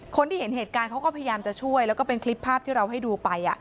คนที่เห็นเหตุการณ์เขาก็พยายามจะช่วยแล้วก็เป็นคลิปภาพที่เราให้ดูไป